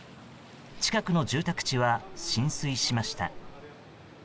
近くの住宅地は浸水しました。